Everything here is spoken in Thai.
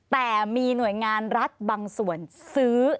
แต่มีหน่วยงานรัฐบางส่วนซื้อ